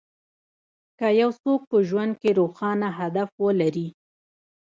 که يو څوک په ژوند کې روښانه هدف ولري.